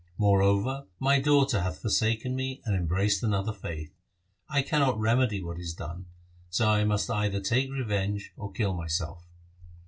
Moreover, my daughter hath forsaken me and embraced another faith ; I cannot remedy what is done, so I must either take revenge or kill myself.